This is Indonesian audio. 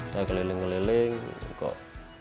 saya keliling keliling kok